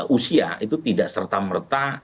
usia itu tidak serta merta